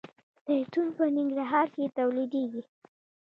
زیتون په ننګرهار کې تولیدیږي.